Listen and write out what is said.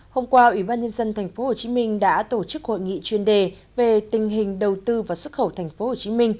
hôm qua ủy ban nhân dân tp hcm đã tổ chức hội nghị chuyên đề về tình hình đầu tư và xuất khẩu tp hcm